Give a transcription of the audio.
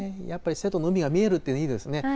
やっぱり瀬戸の海が見えるっていうのはいいですね。